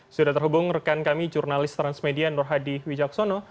sudah terhubung rekan kami jurnalis transmedia nur hadi wijaksono